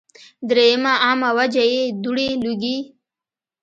دريمه عامه وجه ئې دوړې ، لوګي